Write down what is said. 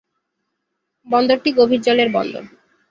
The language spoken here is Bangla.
বন্দরটি গভীর জলের বন্দর।